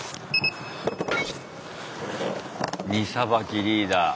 荷さばきリーダー。